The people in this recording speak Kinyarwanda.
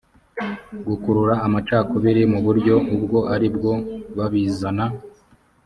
gukurura amacakubiri mu buryo ubwo aribwo babizana